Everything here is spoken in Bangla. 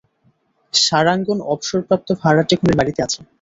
সারাঙ্গন অবসরপ্রাপ্ত ভাড়াটে খুনির বাড়িতে আছে।